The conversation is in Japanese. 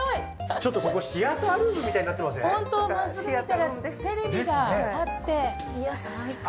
ちょっとここシアタールームみたいになってません？ですね。